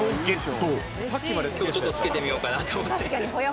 きょう、ちょっとつけてみようかなと思って。